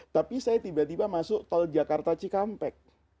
tapi saya tiba tiba masuk tol jakarta cikampek